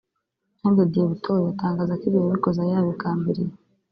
Jean de Dieu Butoyi atangaza ko ibi yabikoze yabigambiriye